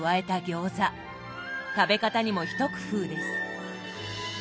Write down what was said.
食べ方にも一工夫です。